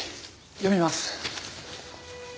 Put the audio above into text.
読みます。